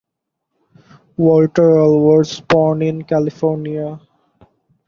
Walter Uhl was born ca.